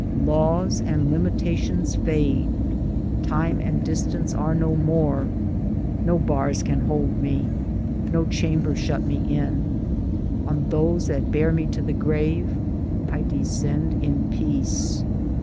Laws and limitations fade, time and distance are no more, no bars can hold me, no chamber shut me in : on those that bear me to the grave I descend in peace.